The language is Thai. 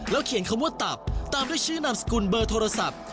เขียนคำว่าตับตามด้วยชื่อนามสกุลเบอร์โทรศัพท์